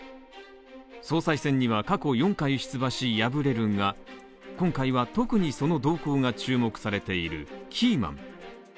総裁選には過去４回出馬し、敗れるが今回は特にその動向が注目されているキーマン。